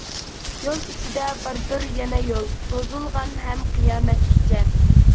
يول ئىچىدە باردۇر يەنە يول، سوزۇلغان ھەم قىيامەتكىچە.